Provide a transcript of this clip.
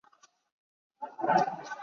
英国途易飞航空的总部位于英国卢顿。